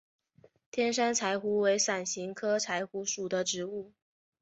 天山柴胡为伞形科柴胡属的植物。